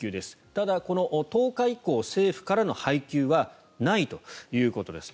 ただ、この１０日以降政府からの配給はないということです。